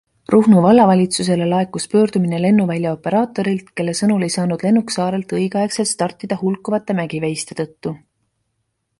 Ruhnu vallavalitsusele laekus pöördumine lennuvälja operaatorilt, kelle sõnul ei saanud lennuk saarelt õigeaegselt startida hulkuvate mägiveiste tõttu.